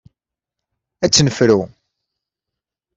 Ad tt-nefru.